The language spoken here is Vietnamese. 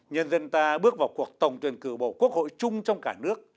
nhân dân ta bước vào cuộc tổng tuyển cử bầu quốc hội chung trong cả nước